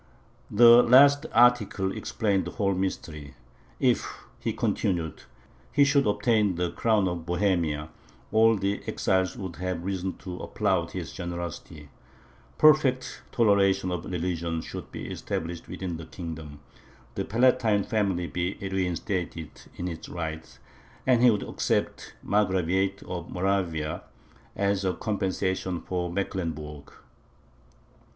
The last article explained the whole mystery. "If," he continued, "HE should obtain the crown of Bohemia, all the exiles would have reason to applaud his generosity; perfect toleration of religions should be established within the kingdom, the Palatine family be reinstated in its rights, and he would accept the Margraviate of Moravia as a compensation for Mecklenburg.